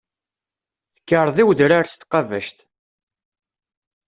Tekkreḍ i wedrar s tqabact.